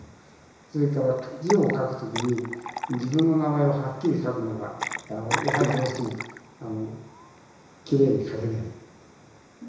それから字を書くときに自分の名前をはっきり書くのがやはりどうしてもきれいに書けない。